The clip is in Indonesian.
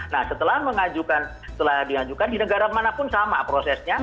nah setelah mengajukan setelah diajukan di negara mana pun sama prosesnya